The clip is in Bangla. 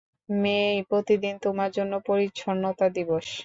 মেই, প্রতিদিনই তোমার জন্য পরিচ্ছন্নতা দিবস।